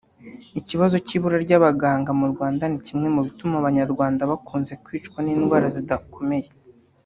Ikibazo cy’ibura ry’abaganga mu Rwanda ni kimwe mu bituma Abanyarwanda bakunze kwicwa n’indwara zidakomeye